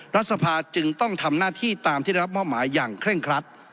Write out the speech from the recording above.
รัฐสภาจึงต้องทำหน้าที่ตามที่ได้รับมอบหมายอย่างเคร่งครัด